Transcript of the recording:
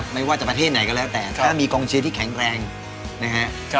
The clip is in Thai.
ไม่ว่าจะประเทศไหนก็แล้วแต่ถ้ามีกองเชียร์ที่แข็งแรงนะฮะ